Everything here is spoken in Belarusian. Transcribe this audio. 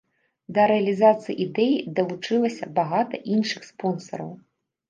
Да рэалізацыі ідэі далучылася багата іншых спонсараў.